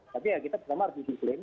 tapi ya kita pertama harus disiplin